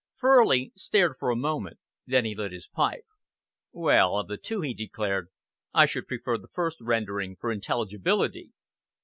'" Furley stared for a moment, then he lit his pipe. "Well, of the two," he declared, "I should prefer the first rendering for intelligibility."